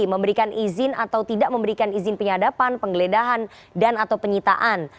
memberikan izin atau tidak memberikan izin penyadapan penggeledahan dan atau penyitaan